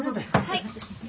はい。